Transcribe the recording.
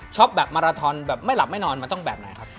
แบบมาราทอนแบบไม่หลับไม่นอนมันต้องแบบไหนครับ